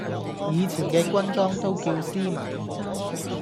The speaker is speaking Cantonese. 以前嘅軍裝都叫斯文